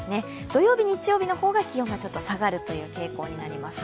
土曜日、日曜日の方が気温がちょっと下がるという傾向になります。